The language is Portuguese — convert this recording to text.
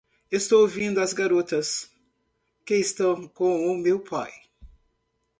Estou ouvindo as garotas, que estão com o meu pai?